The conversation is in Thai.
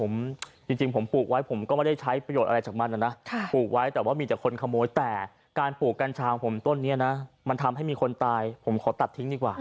นี่เขาไม่ใช่คนบ้าเพราะว่างั้นเขาก็ไม่กิน